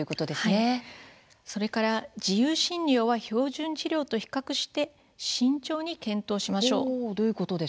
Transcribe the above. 自由診療は標準治療と比較し慎重に検討しましょう。